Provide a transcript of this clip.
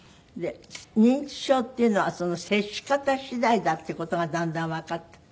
認知症っていうのは接し方しだいだっていう事がだんだんわかった。